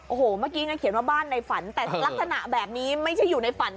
โอ้โหเมื่อกี้ไงเขียนว่าบ้านในฝันแต่ลักษณะแบบนี้ไม่ใช่อยู่ในฝัน